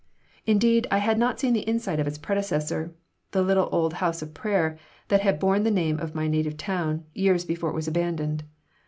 Indeed, I had not seen the inside of its predecessor, the little old house of prayer that had borne the name of my native town, years before it was abandoned.